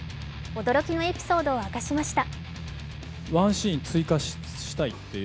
驚きのエピソードを開かしました。